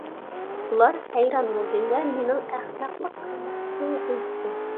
ئۇلار ھەيران بولدى ۋە مېنىڭ ئەخمەقلىق قىلماسلىقىمنى ئېيتتى.